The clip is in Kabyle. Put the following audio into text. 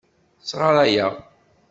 Sɣaṛayeɣ.